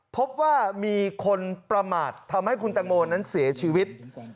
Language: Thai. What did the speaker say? พบว่ามีคนประมาททำให้คุณตังโมนั้นเสียชีวิต